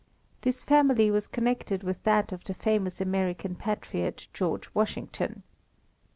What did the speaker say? This family was connected with that of the famous American patriot, George Washington.